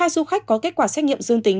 hai du khách có kết quả xét nghiệm dương tính